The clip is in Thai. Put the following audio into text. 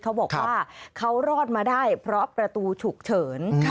เขาบอกว่าเขารอดมาได้เพราะประตูฉุกเฉิน